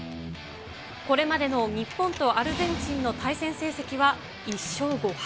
これまでの日本とアルゼンチンの対戦成績は１勝５敗。